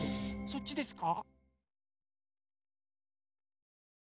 そっちですか？